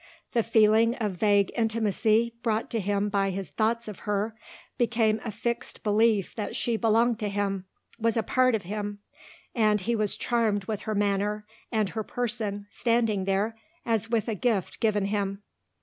The feeling of vague intimacy brought to him by his thoughts of her became a fixed belief that she belonged to him was a part of him and he was charmed with her manner, and her person, standing there, as with a gift given him.